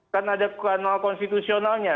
kan ada kanal konstitusionalnya